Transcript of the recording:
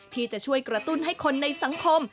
ที่จะช่วยกระตุ้นให้คนในสังคม